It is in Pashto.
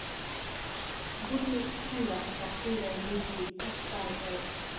بوټی څنګه په سختۍ را لویېږي سخت کار دی.